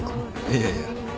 いやいや。